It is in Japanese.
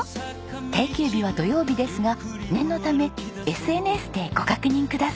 定休日は土曜日ですが念のためＳＮＳでご確認ください。